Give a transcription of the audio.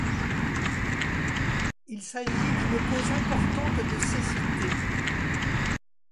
Il s'agit d'une cause importante de cécité.